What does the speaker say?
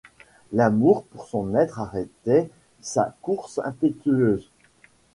L’amour pour son maître arrêtait sa course impétueuse.